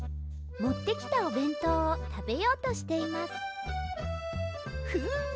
もってきたおべんとうをたべようとしていますフ！